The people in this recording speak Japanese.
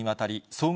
総額